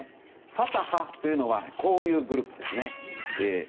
ファタハというのはこういうグループですね。